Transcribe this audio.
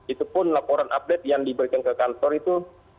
itu pun laporan update yang diberikan ke kantor itu